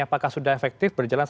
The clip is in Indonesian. apakah sudah efektif berjelas